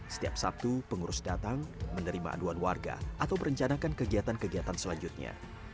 setiap sabtu pengurus datang menerima aduan warga atau merencanakan kegiatan kegiatan selanjutnya